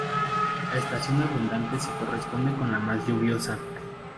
La estación abundante se corresponde con la más lluviosa.